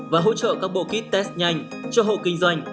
và hỗ trợ các bộ kit test nhanh cho hộ kinh doanh